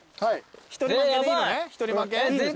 一人負けでいいのね？